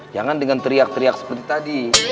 jangan dengan teriak teriak seperti tadi